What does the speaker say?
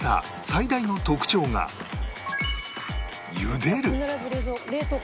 最大の特徴が茹でる